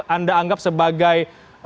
anda anggap sebagai